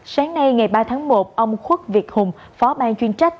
sáng nay ngày ba tháng một ông khuất việt hùng phó bang chuyên trách